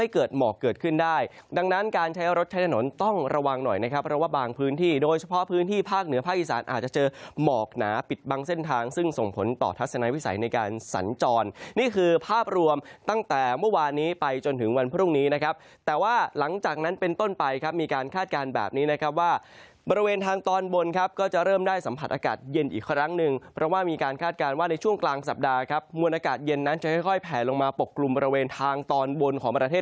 เกิดหมอกเกิดขึ้นได้ดังนั้นการใช้รถใช้ถนนต้องระวังหน่อยนะครับเพราะว่าบางพื้นที่โดยเฉพาะพื้นที่ภาคเหนือพระอีสานอาจจะเจอหมอกหนาปิดบางเส้นทางซึ่งส่งผลต่อทัศนวิสัยในการสรรจรนี่คือภาพรวมตั้งแต่เมื่อวานนี้ไปจนถึงวันพรุ่งนี้นะครับแต่ว่าหลังจากนั้นเป็นต้นไปครับมีการคาดการณ